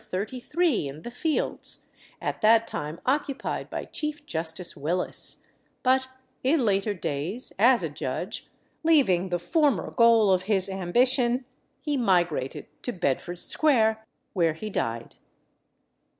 33 in the Fields, at that time occupied by Chief Justice Willis; but in later days, as a judge, leaving the former goal of his ambition, he migrated to Bedford Square, where he died.